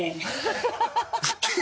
ハハハ